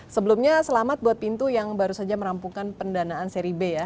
sebelumnya selamat buat pintu yang baru saja merampungkan pendanaan seri b ya